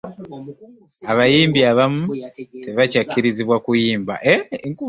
abayimbi abamu ttebakyakirizibwa kuyimba.